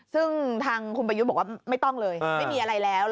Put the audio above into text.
ซึ่งทางคุณประยุทธ์บอกว่าไม่ต้องเลยไม่มีอะไรแล้ว